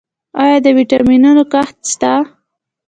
آیا د ویټامینونو کمښت شته؟